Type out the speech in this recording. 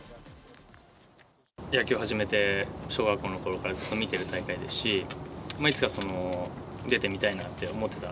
野球を始めて、小学校のころからずっと見ている大会ですし、いつか出てみたいなって思ってた。